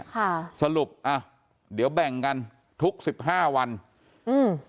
ค่ะสรุปอ่ะเดี๋ยวแบ่งกันทุกสิบห้าวันอืม